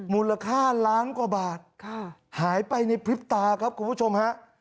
มูลค่าล้านกว่าบาทหายไปในพริบตาครับคุณผู้ชมฮะ